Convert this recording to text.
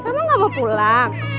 kamu gak mau pulang